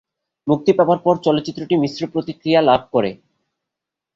মুক্তি পাবার পর চলচ্চিত্রটি মিশ্র প্রতিক্রিয়া লাভ করে।